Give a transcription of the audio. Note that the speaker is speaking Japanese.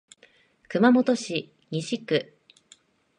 熊本市西区